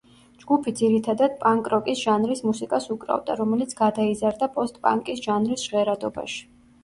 ჯგუფი ძირითადად პანკ-როკის ჟანრის მუსიკას უკრავდა, რომელიც გადაიზარდა პოსტ-პანკის ჟანრის ჟღერადობაში.